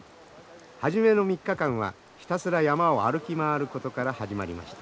初めの３日間はひたすら山を歩き回ることから始まりました。